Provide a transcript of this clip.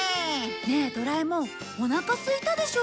ねえドラえもんおなかすいたでしょ？